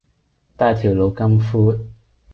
但係條路咁闊